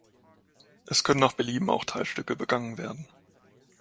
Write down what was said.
Es können nach Belieben auch Teilstücke begangen werden.